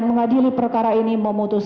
mengurangi ke steep